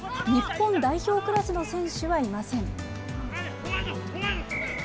日本代表クラスの選手はいません。